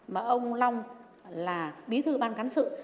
mà ông nguyễn thanh long là bí thư ban cán sự